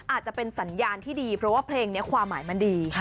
อาจจะเป็นสัญญาณที่ดีเพราะว่าเพลงนี้ความหมายมันดี